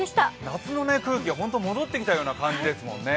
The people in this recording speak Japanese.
夏の空気が本当に戻ってきたような感じですもんね。